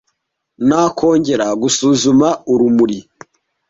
nakongera gusuzuma urumuri